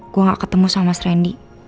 gue gak ketemu sama mas randy